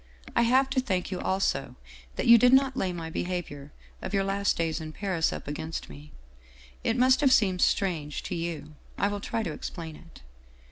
I have to thank you also that you did not lay my behavior of your last days in Paris up against me. It must have seemed strange to you. I will try to explain it.